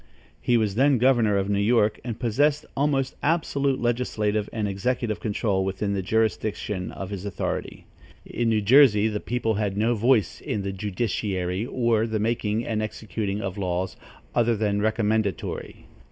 He was then governor of New York and possessed almost absolute legislative and executive control within the jurisdiction of his authority. In New Jersey the people had no voice in the judiciary or the making and executing of laws other than recommendatory.